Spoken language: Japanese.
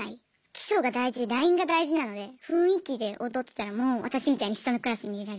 基礎が大事ラインが大事なので雰囲気で踊ってたらもう私みたいに下のクラスに入れられます。